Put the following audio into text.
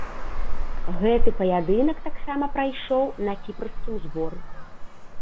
Гэты паядынак таксама прайшоў на кіпрскім зборы.